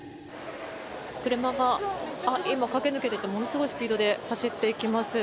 車が今、駆け抜けていってものすごいスピードで走っていきます。